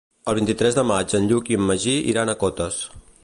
El vint-i-tres de maig en Lluc i en Magí iran a Cotes.